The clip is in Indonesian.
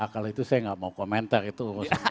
kalau itu saya nggak mau komentar itu urusan